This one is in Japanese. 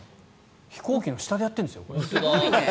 飛行機の下でやってるんですよ。